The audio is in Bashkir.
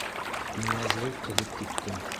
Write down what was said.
Ныязғол ҡыҙып китте: